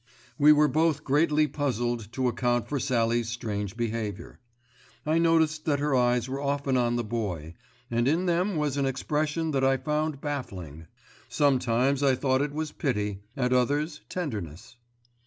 We were both greatly puzzled to account for Sallie's strange behaviour. I noticed that her eyes were often on the Boy, and in them was an expression that I found baffling. Sometimes I thought it was pity, at others tenderness.